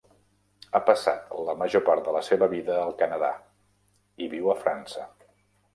Ha passat la major part de la seva vida al Canadà i viu a França.